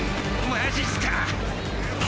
マジすか。